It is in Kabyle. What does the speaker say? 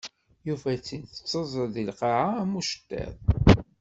Yufa-tt-in teẓẓel di lqaɛa am uceṭṭiḍ.